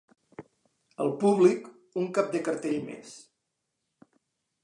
El públic, ‘un cap de cartell més’